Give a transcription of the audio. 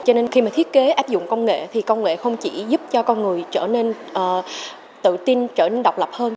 cho nên khi mà thiết kế áp dụng công nghệ thì công nghệ không chỉ giúp cho con người trở nên tự tin trở nên độc lập hơn